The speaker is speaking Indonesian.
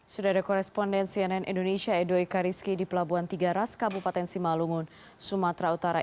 sudah ada koresponden cnn indonesia edo ikariski di pelabuhan tiga raskabupaten simalungun sumatera utara